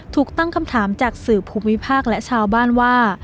ถูกตั้งคำถามจากสื่อภูมิภาคและชาวบ้านว่า